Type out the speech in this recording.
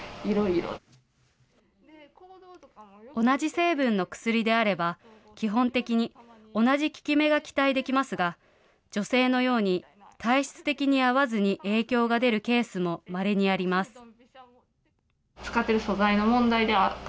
同じ成分の薬であれば、基本的に同じ効き目が期待できますが、女性のように、体質的に合わずに影響が出るケースもまれにあります。